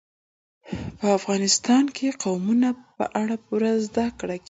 په افغانستان کې د قومونه په اړه پوره زده کړه کېږي.